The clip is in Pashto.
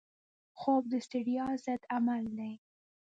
خوب د ستړیا ضد عمل دی